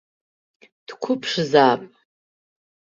Дқәыԥшзаап.